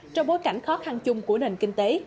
trong bối cảnh khó khăn chung của nền kinh tế